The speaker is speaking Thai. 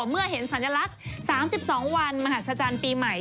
เมื่อเห็นสัญลักษณ์๓๒วันมหัศจรรย์ปีใหม่